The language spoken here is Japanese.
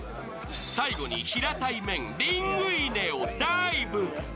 最後に平たい麺リングイネをダイブ。